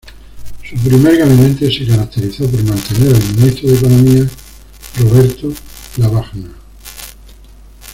Su primer gabinete se caracterizó por mantener al ministro de Economía Roberto Lavagna.